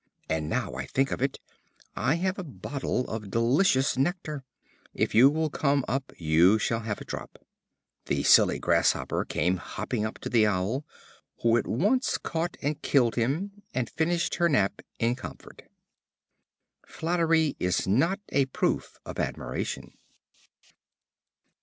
And now I think of it, I have a bottle of delicious nectar. If you will come up, you shall have a drop." The silly Grasshopper, came hopping up to the Owl, who at once caught and killed him, and finished her nap in comfort. Flattery is not a proof of admiration.